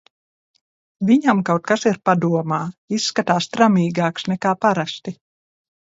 Viņam kaut kas ir padomā, izskatās tramīgāks nekā parasti.